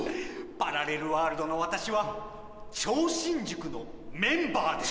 パラレルワールドの私は超新塾のメンバーです